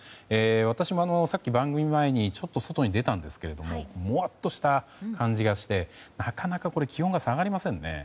私もさっき、番組前にちょっと外に出たんですけどももわっとした感じがしてなかなか気温が下がりませんね。